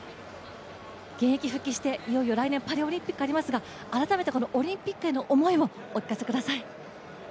現役復帰して、いよいよ来年パリオリンピックがありますが、改めてオリンピックへの思いをお聞かせください。